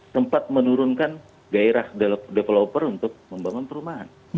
tempat menurunkan gairah developer untuk membangun perumahan